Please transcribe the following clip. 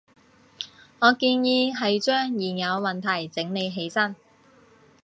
我建議係將現有問題整理起身